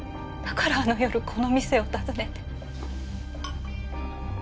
だからあの夜この店を訪ねて。